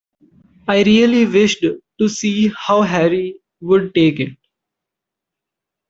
I really wished to see how Harry would take it.